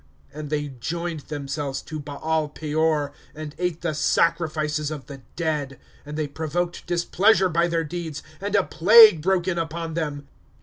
^^ And they joined themselves to Baal Peor, And ate the sacrifices of the dead. ^' And they provoked displeasure by their deeds, And a plague broke in upon them.